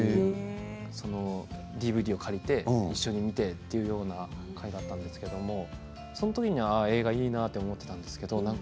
ＤＶＤを借りてというのがあったんですけどその時に、映画いいなと思っていたんですけど